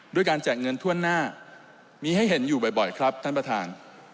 ด้วยการแจกเงินทั่วหน้ามีให้เห็นอยู่บ่อยครับท่านประธาน